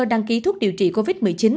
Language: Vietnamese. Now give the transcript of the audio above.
đăng ký thuốc điều trị covid một mươi chín